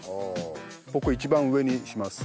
僕一番上にします。